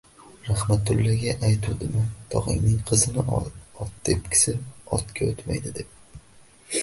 Rahmatullaga aytuvdim-a tog‘angning qizini ol, ot tepkisi otga o‘tmaydi deb.